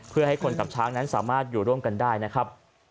เพื่อให้คนกับช้างนั้นสามารถอยู่ร่วมกันได้นะครับ